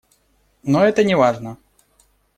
Но это не важно.